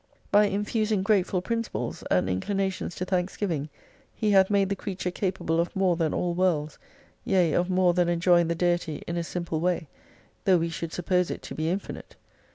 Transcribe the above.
By infusing grateful principles, and inclinations to thanks giving He hath made the creature capable of more than all worlds, yea, of more than enjoying the Deity in a simple way : though we should suppose it to be infinite.